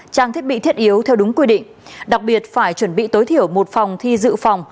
trang thiết bị thiết yếu theo đúng quy định đặc biệt phải chuẩn bị tối thiểu một phòng thi dự phòng